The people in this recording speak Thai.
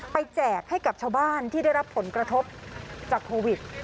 แจกให้กับชาวบ้านที่ได้รับผลกระทบจากโควิด